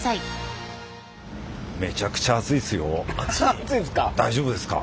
暑いですか。